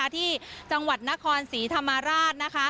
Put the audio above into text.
ที่จังหวัดนครศรีธรรมราช